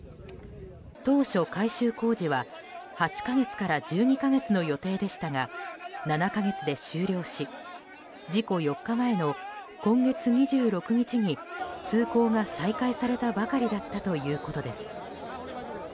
当初、改修工事は８か月から１２か月の予定でしたが７か月で終了し事故４日前の今月２６日に通行が再開されたばかりだったということです。